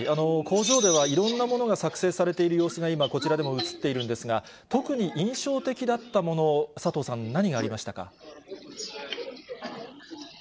工場ではいろんなものが作成されている様子が今、こちらでも映っているんですが、特に印象的だったもの、佐藤さん、何がありましたか。